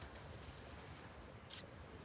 El fruto puede ser una cápsula o un aquenio.